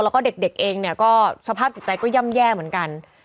แล้วก็เด็กเองเนี่ยก็สภาพจิตใจก็ย่ำแย่เหมือนกัน